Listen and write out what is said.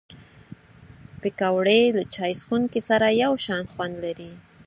پکورې له چای څښونکو سره یو شان خوند لري